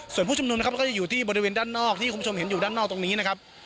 ส่วนผู้ชุมนุมนะครับก็จะอยู่ที่บริเวณด้านนอกที่คุณผู้ชมเห็นอยู่ด้านนอกตรงนี้นะครับ